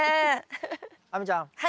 亜美ちゃん。